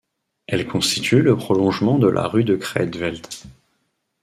Elle constitue le prolongement de la rue du Craetveld.